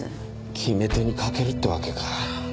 決め手に欠けるってわけか。